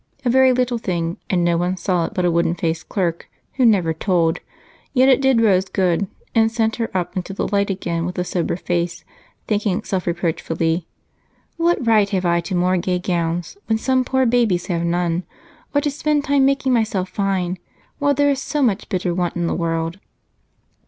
A very little thing, and no one saw it but a wooden faced clerk, who never told, yet it did Rose good and sent her up into the light again with a sober face, thinking self reproachfully, "What right have I to more gay gowns when some poor babies have none, or to spend time making myself fine while there is so much bitter want in the world?"